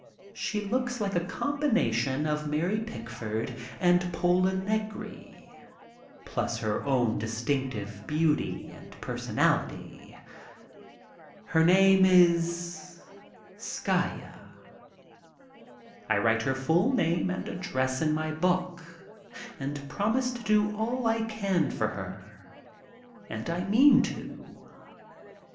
She looks like a combination of Mary Pickford and Pola Negri plus her own distinctive beauty and personality. Her name is "Skaya." I write her full name and address in my book and promise to do all I can for her. And I mean to.